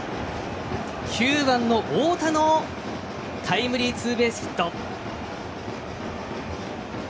９番の太田のタイムリーツーベースヒット。